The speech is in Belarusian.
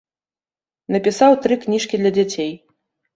Напісаў тры кніжкі для дзяцей.